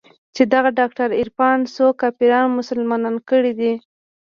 چې دغه ډاکتر عرفان څو کافران مسلمانان کړي دي.